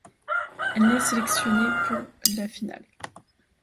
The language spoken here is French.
Elle n'est sélectionnée pour la finale.